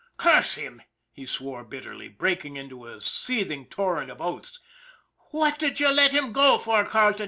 " Curse him !" he swore bitterly, breaking into a seething torrent of oaths. " What did you let him go for, Carleton?